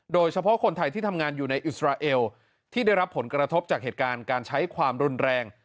โดยเฉพาะคนไทยที่ทำงานอยู่ในอิสราเอลที่ได้รับผลกระทบจากเหตุการณ์การใช้ความรุนแรง